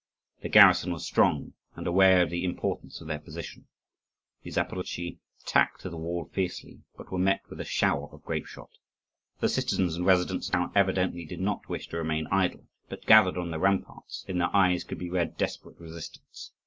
The garrison was strong and aware of the importance of their position. The Zaporozhtzi attacked the wall fiercely, but were met with a shower of grapeshot. The citizens and residents of the town evidently did not wish to remain idle, but gathered on the ramparts; in their eyes could be read desperate resistance.